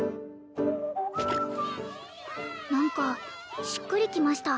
何かしっくりきました